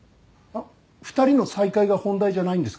２人の再会が本題じゃないんですか？